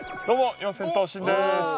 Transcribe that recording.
四千頭身です。